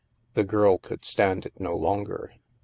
The girl could stand it no longer.